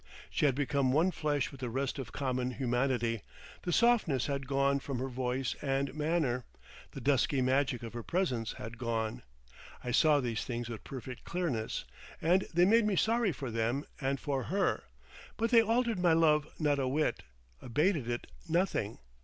She had become one flesh with the rest of common humanity; the softness had gone from her voice and manner, the dusky magic of her presence had gone. I saw these things with perfect clearness, and they made me sorry for them and for her. But they altered my love not a whit, abated it nothing.